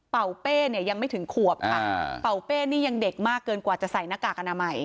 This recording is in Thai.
เป้เนี่ยยังไม่ถึงขวบค่ะเป่าเป้นี่ยังเด็กมากเกินกว่าจะใส่หน้ากากอนามัย